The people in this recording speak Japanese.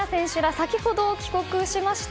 先ほど帰国しました。